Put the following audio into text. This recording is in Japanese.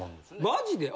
マジで？